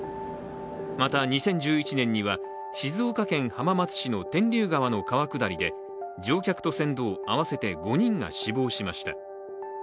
また、２０１１年には静岡県浜松市の天竜市の川下りで乗客と船頭合わせて５人が死亡しました。